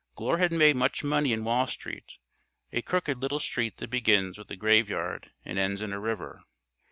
Glure had made much money in Wall Street a crooked little street that begins with a graveyard and ends in a river.